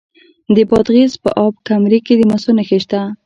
د بادغیس په اب کمري کې د مسو نښې شته.